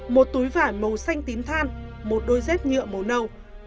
một túi vải màu xanh tím than một đôi dép nhựa màu nâu